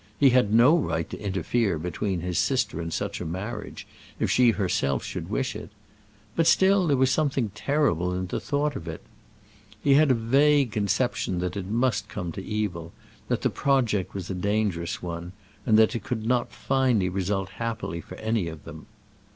He had no right to interfere between his sister and such a marriage, if she herself should wish it; but still there was something terrible in the thought of it! He had a vague conception that it must come to evil; that the project was a dangerous one; and that it could not finally result happily for any of them.